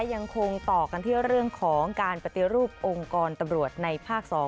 ยังคงต่อกันที่เรื่องของการปฏิรูปองค์กรตำรวจในภาค๒